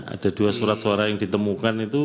ada dua surat suara yang ditemukan itu